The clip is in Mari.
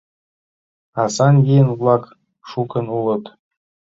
А сай еҥ-влак шукын улыт.